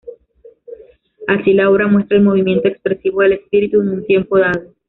Así, la obra muestra el movimiento expresivo del espíritu en un tiempo dado.